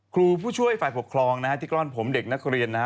ครูผู้ช่วยฝ่ายปกครองนะฮะที่กล้อนผมเด็กนักเรียนนะฮะ